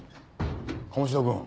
鴨志田君。